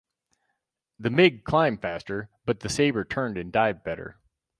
The MiG climbed faster, but the Sabre turned and dived better.